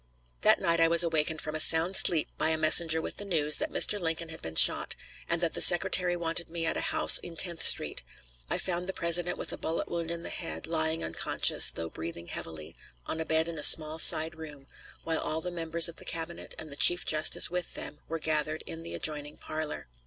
That night I was awakened from a sound sleep by a messenger with the news that Mr. Lincoln had been shot, and that the Secretary wanted me at a house in Tenth Street. I found the President with a bullet wound in the head, lying unconscious, though breathing heavily, on a bed in a small side room, while all the members of the Cabinet, and the Chief Justice with them, were gathered in the adjoining parlor.